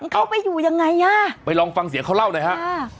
เขาไปอยู่ยังไงอ่ะไปลองฟังเสียงเขาเล่าหน่อยฮะอ่า